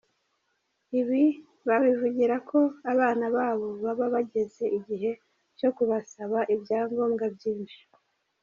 Ibi babivugira ko abana babo baba bageze igihe cyo kubasaba ibya ngombwa byinshi.